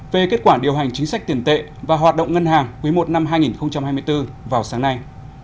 về kết quả điều hành chính sách tiền tệ và hoạt động ngân hàng quý i năm hai nghìn hai mươi bốn vào sáng nay